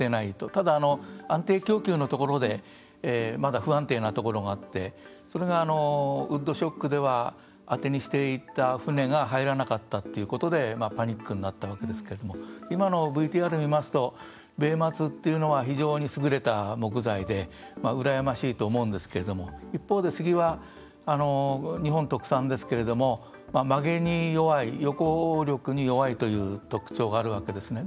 ただ、安定供給のところでまだ不安定なところがあってそれがウッドショックでは当てにしていた船が入らなかったということでパニックになったわけですけども今のＶＴＲ見ますとベイマツっていうのは非常に優れた木材で羨ましいと思うんですけど一方でスギは日本特産ですけども曲げに弱い横力に弱いという特徴があるわけですね。